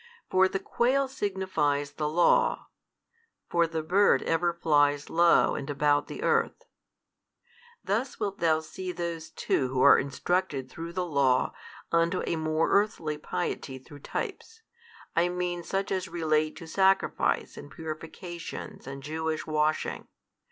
For the quail signifies the Law (for the bird ever flies low and about the earth): thus wilt thou see those too who are instructed through the Law unto a more earthly piety through types, I mean such as relate to sacrifice and purifications and Jewish washing.